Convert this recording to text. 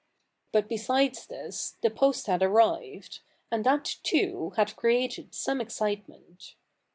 But besides this, the post had arrived ; and that too had created some excitement.